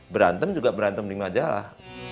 berantem juga berantem di majalah